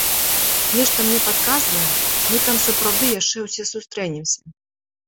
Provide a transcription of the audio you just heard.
Нешта мне падказвае, мы там сапраўды яшчэ ўсе сустрэнемся.